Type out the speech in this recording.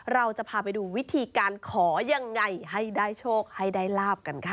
เราจะพาไปดูวิธีการขอยังไงให้ได้โชคให้ได้ลาบกันค่ะ